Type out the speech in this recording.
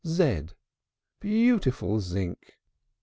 z! Beautiful zinc!